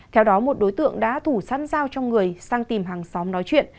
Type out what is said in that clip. theo đó một đối tượng đã thủ sát dao trong người sang tìm hàng xóm nói chuyện